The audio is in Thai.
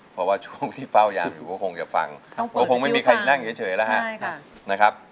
เพราะว่าช่วงที่เฝ้ายามอยู่ก็คงจะฟังก็คงไม่มีใครนั่งเฉยแล้วฮะนะครับ